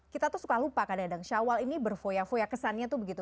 kita tuh suka lupa kadang kadang syawal ini berfoya foya kesannya tuh begitu